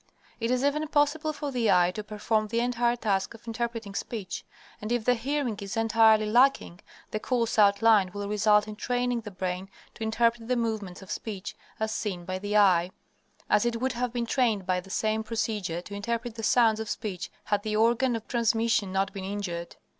It is even possible for the eye to perform the entire task of interpreting speech, and, if the hearing is entirely lacking, the course outlined will result in training the brain to interpret the movements of speech as seen by the eye, as it would have been trained by the same procedure to interpret the sounds of speech had the organ of transmission not been injured.